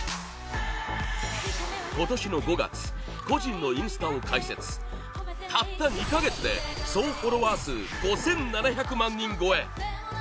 今年の５月個人のインスタを開設たった２か月で総フォロワー数５７００万人超え